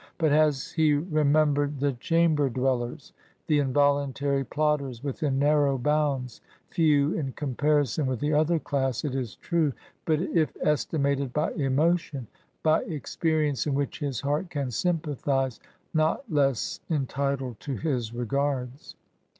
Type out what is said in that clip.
But has he remembered the chamber dwellers, — ^the involuntary plodders within narrow bounds,— few in comparison with the other class, it is true, but, if estimated by emotion — ^by experience in which his heart can sympathise, not less entitled to his regards